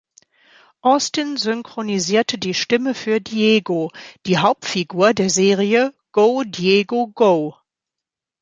Austin synchronisierte die Stimme für Diego, die Hauptfigur der Serie "Go, Diego, Go!